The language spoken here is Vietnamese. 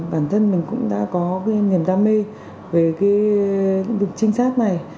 bản thân mình cũng đã có cái niềm đam mê về cái trinh sát này